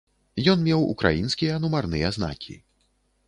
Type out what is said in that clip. Ён меў украінскія нумарныя знакі.